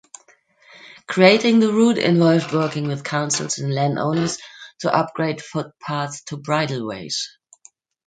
Creating the route involved working with councils and landowners to upgrade footpaths to bridleways.